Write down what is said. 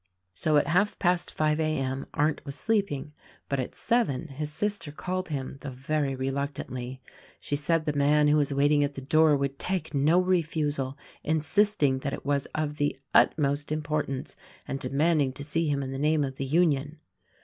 So at half past five a. m. Arndt was sleeping; but at seven his sister called him — though very reluctantly. She said the man who was waiting at the door would take no refusal, insisting that it was of the utmost importance, and demanding to see him in the name of the Union.